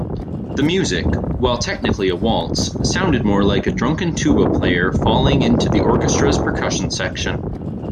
The music, while technically a waltz, sounded more like a drunken tuba player falling into the orchestra's percussion section.